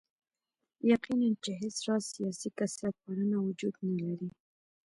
یقیناً چې هېڅ راز سیاسي کثرت پالنه وجود نه لري.